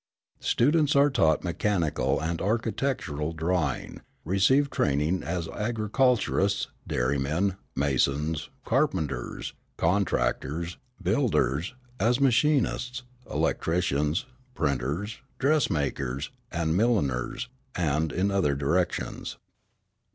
Students are taught mechanical and architectural drawing, receive training as agriculturists, dairymen, masons, carpenters, contractors, builders, as machinists, electricians, printers, dressmakers, and milliners, and in other directions.